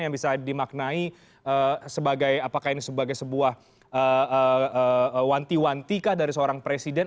yang bisa dimaknai sebagai apakah ini sebagai sebuah wanti wanti kah dari seorang presiden